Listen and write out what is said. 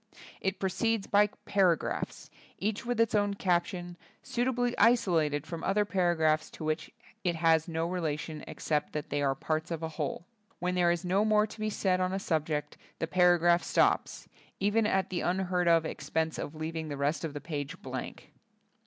It proceeds by para graphs, each with its own caption, suitably isolated from other para graphs to which it has no relation ex cept that they are parts of a whole. When there is no more to be said on a subject, the paragraph stops, even at the unheard of expense of leaving the rest of the page blank.